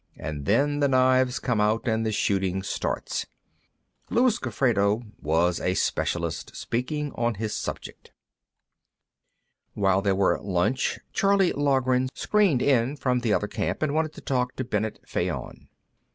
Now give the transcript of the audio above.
And then the knives come out, and the shooting starts." Luis Gofredo was also a specialist, speaking on his subject. While they were at lunch, Charley Loughran screened in from the other camp and wanted to talk to Bennet Fayon.